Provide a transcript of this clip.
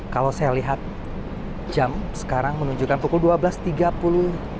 kalau saya lihat jam sekarang menunjukkan pukul dua belas tiga puluh